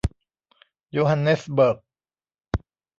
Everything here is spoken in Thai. โยฮันเนสเบิร์ก